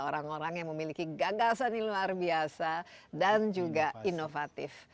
orang orang yang memiliki gagasan yang luar biasa dan juga inovatif